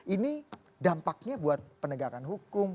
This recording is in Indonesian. ini dampaknya buat penegakan hukum